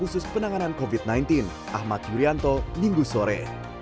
khusus penanganan covid sembilan belas ahmad yuryanto minggu sore